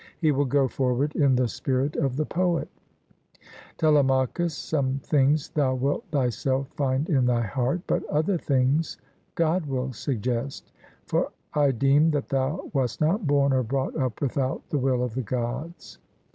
He will go forward in the spirit of the poet: 'Telemachus, some things thou wilt thyself find in thy heart, but other things God will suggest; for I deem that thou wast not born or brought up without the will of the Gods.'